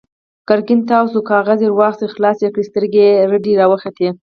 ګرګين تاو شوی کاغذ ور واخيست، خلاص يې کړ، سترګې يې رډې راوختې.